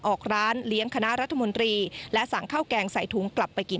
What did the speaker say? ออกร้านเลี้ยงคณะรัฐมนตรีและสั่งข้าวแกงใส่ถุงกลับไปกิน